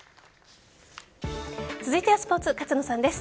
続いてはスポーツ勝野さんです。